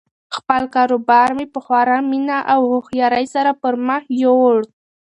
خپل کاروبار مې په خورا مینه او هوښیاري سره پرمخ یووړ.